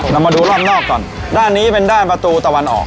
เรามาดูรอบนอกก่อนด้านนี้เป็นด้านประตูตะวันออก